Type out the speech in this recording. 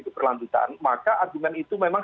keberlanjutan maka argumen itu memang